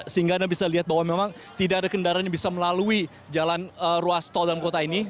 sehingga anda bisa lihat bahwa memang tidak ada kendaraan yang bisa melalui jalan ruas tol dalam kota ini